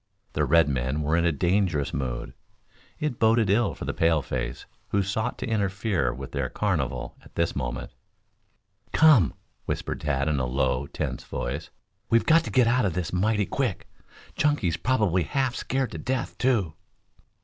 The red men were in a dangerous mood. It boded ill for the paleface who sought to interfere with their carnival at this moment. "Come!" whispered Tad in a low, tense voice. "We've got to get out of this mighty quick! Chunky's probably half scared to death, too."